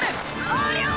「ありゃ！